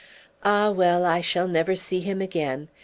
"Ah! well, I shall never see him again.